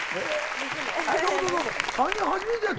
３人初めてやった？